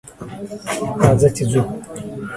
راځه ! چې ځو.